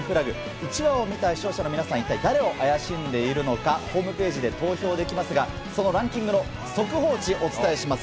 １話を見た視聴者の皆さんは、一体誰を怪しんでいるのかホームページで投票できますが、そのランキングの速報値をお伝えします。